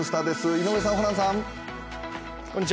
井上さん、ホランさん。